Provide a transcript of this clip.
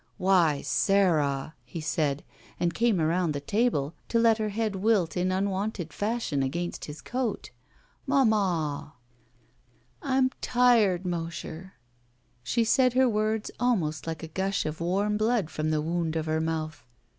"Why, Sara!" he said, and came around the table to let her head wilt in unwonted fashion against his coat. "Manmia!" 333 ROULETTE ''I'm tired, Mosher/' She said her words almost like a gush of warm blood from the wound of her mouth.